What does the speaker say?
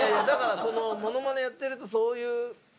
だからモノマネやってるとそういう。